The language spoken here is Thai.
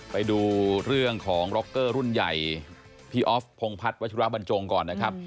ไปดูเรื่องของร็อกเกอร์รุ่นใหญ่พี่ออฟพงพัฒน์วัชราบรรจงก่อนนะครับ